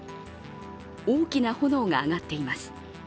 大きな炎が上がっています。